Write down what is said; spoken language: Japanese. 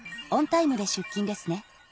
オンタイムで出勤ですね。